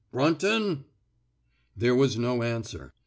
'' Brunton? " There was no answer.